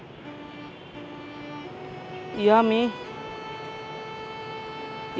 memangnya sudah tidak bisa dibicarakan lagi mi